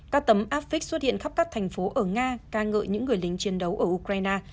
các tấm áp vích xuất hiện khắp các thành phố ở nga ca ngợi những người lính chiến đấu ở ukraine